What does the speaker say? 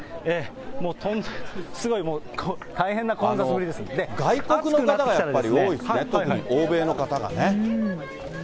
もう、すごいもう、外国の方がやっぱり多いですね、特に欧米の方がね。